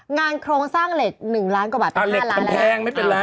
โครงสร้างเหล็ก๑ล้านกว่าบาทเป็น๕ล้านแล้วแพงไม่เป็นไร